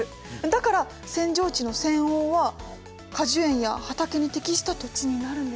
だから扇状地の扇央は果樹園や畑に適した土地になるんですよ。